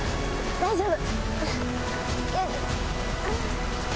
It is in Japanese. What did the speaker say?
大丈夫！